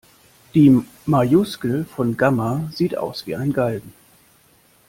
Die Majuskel von Gamma sieht aus wie ein Galgen.